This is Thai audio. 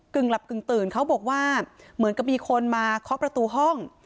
หลับกึ่งตื่นเขาบอกว่าเหมือนกับมีคนมาเคาะประตูห้อง